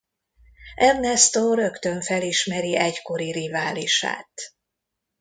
Ernesto rögtön felismeri egykori riválisát.